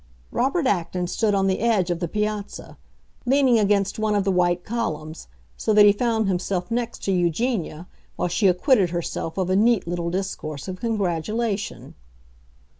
Robert Acton stood on the edge of the piazza, leaning against one of the white columns, so that he found himself next to Eugenia while she acquitted herself of a neat little discourse of congratulation.